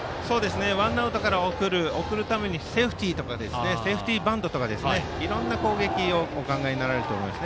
ワンアウトから送るためにセーフティーバントとかいろいろな攻撃をお考えになると思います